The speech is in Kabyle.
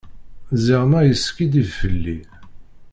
Ziɣemma yeskiddib fell-i.